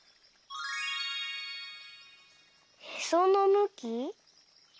「へそのむき」？